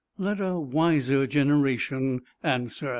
Let a wiser generation answer!"